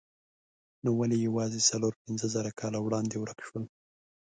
نو ولې یوازې څلور پنځه زره کاله وړاندې ورک شول؟